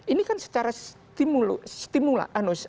ini kan secara stimulasi